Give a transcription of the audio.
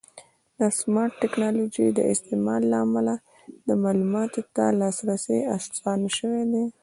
د سمارټ ټکنالوژۍ د استعمال له امله د معلوماتو ته لاسرسی اسانه شوی دی.